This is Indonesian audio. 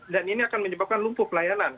dan ini akan menyebabkan lumpuh pelayanan